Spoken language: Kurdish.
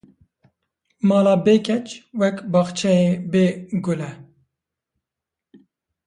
Mala bê keç, wek bexçeyê bê gulle